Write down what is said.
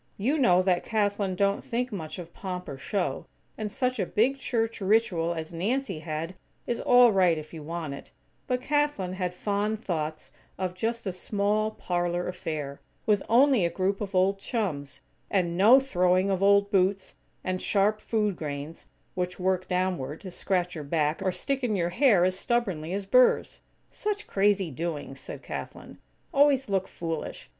You know that Kathlyn don't think much of pomp or show, and such a big church ritual as Nancy had is all right if you want it, but Kathlyn had fond thoughts of just a small, parlor affair, with only a group of old chums; and no throwing of old boots, and "sharp food grains," which work downward, to scratch your back, or stick in your hair as stubbornly as burrs. "Such crazy doings," said Kathlyn, "always look foolish.